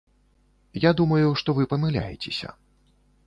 Я думаю, што вы памыляецеся.